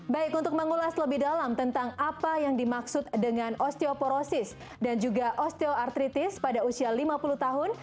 baik untuk mengulas lebih dalam tentang apa yang dimaksud dengan osteoporosis dan juga osteoartritis pada usia lima puluh tahun